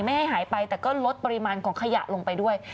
ให้หายไปแต่ก็ลดปริมาณของขยะลงไปด้วย